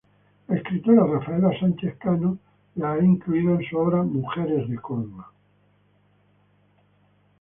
La escritora Rafaela Sánchez Cano la ha incluido en su obra "Mujeres de Córdoba".